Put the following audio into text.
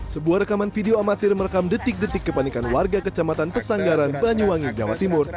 sebuah rekaman video amatir merekam detik detik kepanikan warga kecamatan pesanggaran banyuwangi jawa timur